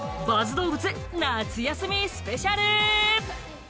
どうぶつ、夏休みスペシャル！